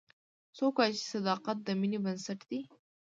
څوک وایي چې صداقت د مینې بنسټ ده